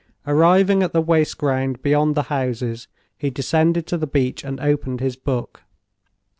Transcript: Arriving at the waste ground beyond the houses, he descended to the beach and opened his book.